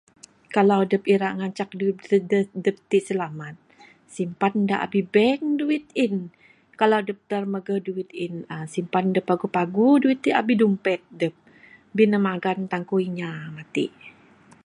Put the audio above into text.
Kalau adup ira ngancak duit dup dup ti'k silamat, simpan da abih bank duit in'd. Kalau adup ra magguh duit in'd, simpan da paguh paguh duit ti da abih dumpet dup. Bin ne maggan tangku inya matik.